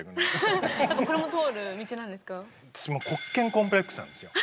これも通る道なんですか？